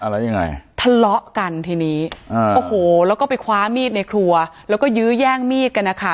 ทะเลาะกันทีนี้โอ้โหแล้วก็ไปคว้ามีดในครัวแล้วก็ยื้อย่างมีดกันนะคะ